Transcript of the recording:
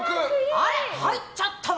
あら、入っちゃったわ！